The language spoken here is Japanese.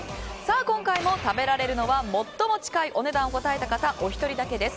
今回も食べられるのは最も近いお値段を答えた１人だけです。